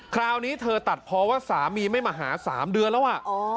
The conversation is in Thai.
คราวนี้เธอตัดเพราะว่าสามีไม่มาหา๓เดือนแล้วอ่ะ